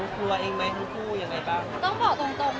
รู้สึกว่าการทำอาหารมันยากมันมีหลายขั้นตอนอะไรอย่างนี้ค่ะ